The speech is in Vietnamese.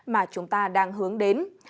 mà chúng ta đang hướng đến